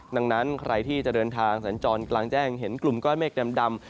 ดังนั้นใครที่จะเดินทางสัญจรกลางแจ้งเห็นกลุ่มก้อนเมฆดำ